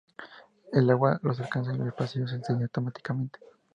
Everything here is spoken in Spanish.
El agua los alcanza y el pasillo se sella automáticamente.